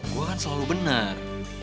gue kan selalu bener